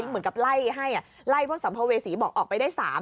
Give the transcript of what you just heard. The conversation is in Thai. เหมือนกับไล่ให้ไล่พวกสัมภเวษีบอกออกไปได้๓